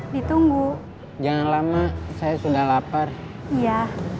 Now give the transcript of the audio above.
ditunggu jangan lama saya sudah lapar iya